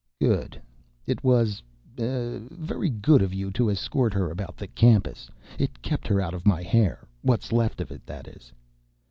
"Good. It was, eh, very good of you to escort her about the campus. It kept her out of my hair ... what's left of it, that is."